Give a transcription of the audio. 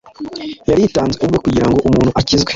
yaritanze ubwe kugira ngo umuntu akizwe.